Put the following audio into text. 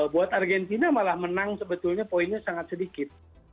buat argentina malah menang sebetulnya poinnya sangat sedikit